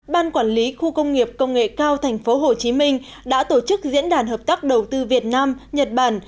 ban quản lý khu công nghiệp công nghệ cao tp hcm đã tổ chức diễn đàn hợp tác đầu tư việt nam nhật bản